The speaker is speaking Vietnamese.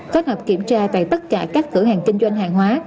kết hợp kiểm tra tại tất cả các cửa hàng kinh doanh hàng hóa